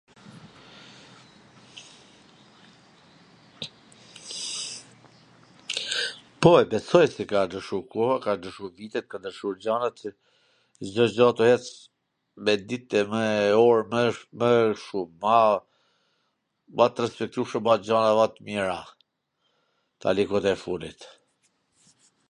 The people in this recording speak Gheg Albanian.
Po, e besoj se ka ndryshu koha, kan ndryshu vitet, kan ndryshu gjanat se Cdo gja a tu ec me dit e me or mw shum, ma t respektushwm a gjana ma t mira tani kot e funit.